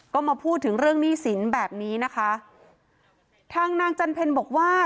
ก็มาพูดถึงเรื่องหนี้สินแบบนี้นะคะทางนางจันเพลบอกว่า